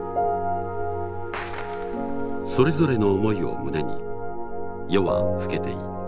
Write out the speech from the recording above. それぞれの思いを胸に夜は更けていった。